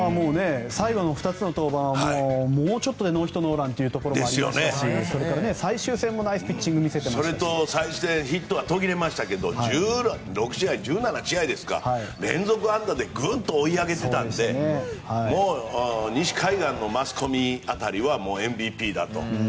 最後の２つの登板はもうちょっとでノーヒット・ノーランというところもありましたしそれから最終戦もナイスピッチングをヒットも途切れましたけど１７試合連続安打でグンと追い上げていたので西海岸のマスコミ辺りはＭＶＰだと。